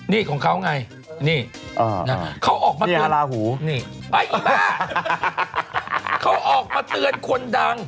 นี่ของเขาไงนี่เขาออกมาเตือนลาหูนี่ไอ้อีบ้าเขาออกมาเตือนคนดัง